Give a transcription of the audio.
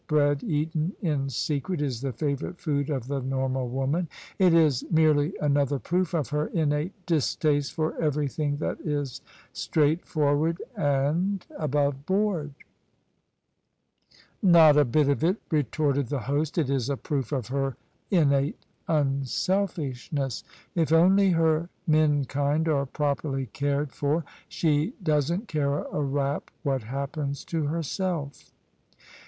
Bread eaten in secret is the favourite food of the normal woman. It is merely another proof of her innate distaste for everything that is straightforward and above board." " Not a bit of it," retorted the host: " it is a proof of her innate unselfishness. If only her menkind are properly cared for, she doesn't care a rap what happens to herself."